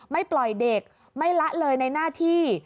ไม่ปล่อยเด็กไม่ละเลยในหน้าที่